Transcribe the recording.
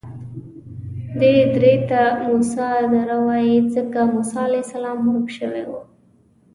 دې درې ته موسی دره وایي ځکه موسی علیه السلام ورک شوی و.